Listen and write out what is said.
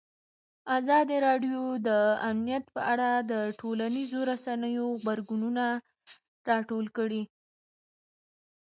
ازادي راډیو د امنیت په اړه د ټولنیزو رسنیو غبرګونونه راټول کړي.